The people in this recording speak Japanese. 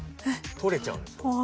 とれちゃうんですよ